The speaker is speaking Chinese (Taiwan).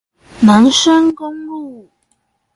南深公路